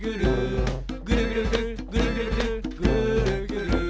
「ぐるぐるぐるぐるぐるぐるぐーるぐる」